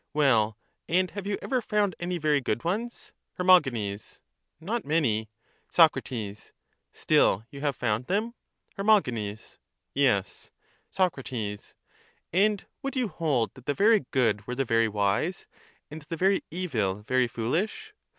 Well, and have you ever found any very good ones? Her. Not many. Soc. Still you have found them? Her. Yes. Soc. And would you hold that the very good were the very wise, and the very evil very foolish?